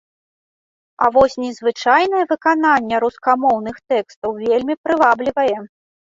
А вось незвычайнае выкананне рускамоўных тэкстаў вельмі прываблівае.